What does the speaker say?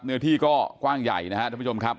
เนื้อที่ก็กว้างใหญ่นะครับท่านผู้ชมครับ